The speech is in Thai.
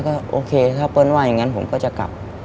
ก็โอเคถ้าเปิ้ลว่าอย่างนั้นผมก็จะกลับ